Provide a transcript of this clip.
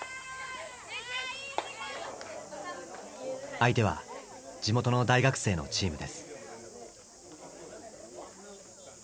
相手は地元の大学生のチームです。